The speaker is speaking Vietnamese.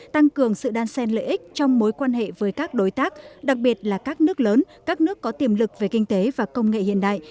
tăng cường sự đan sen lợi ích trong mối quan hệ với các đối tác đặc biệt là các nước lớn các nước có tiềm lực về kinh tế và công nghệ hiện đại